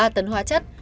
ba tấn hóa chất